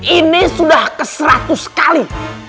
ini sudah ke seratus kali